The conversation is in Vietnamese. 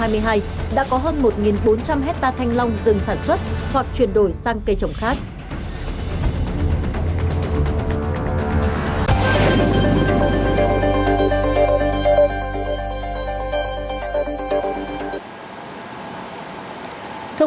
thông tin của bình thuận và bình thuận bắc đến đầu năm hai nghìn hai mươi hai đã có hơn một bốn trăm linh hectare thanh long dừng sản xuất hoặc chuyển đổi sang cây trồng khác